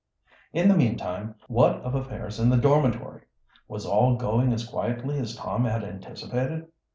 In the meantime, what of affairs in the dormitory? Was all going as quietly as Tom had anticipated?